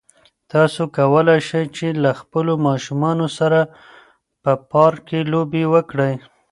تاسو کولای شئ چې له خپلو ماشومانو سره په پارک کې لوبې وکړئ.